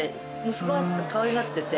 息子がかわいがってて。